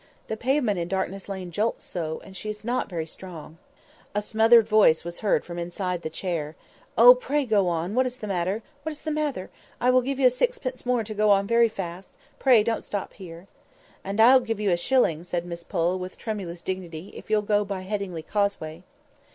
—the pavement in Darkness Lane jolts so, and she is not very strong." A smothered voice was heard from the inside of the chair— "Oh! pray go on! What is the matter? What is the matter? I will give you sixpence more to go on very fast; pray don't stop here." "And I'll give you a shilling," said Miss Pole, with tremulous dignity, "if you'll go by Headingley Causeway."